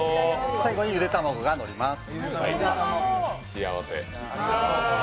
最後にゆで卵がのります。